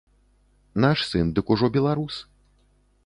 Наш сын дык ужо беларус.